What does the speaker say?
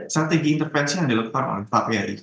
satria intervensi adalah paru paru